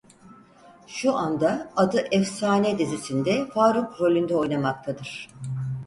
Şu anda Adı Efsane dizisinde Faruk rolünde oynamaktadır.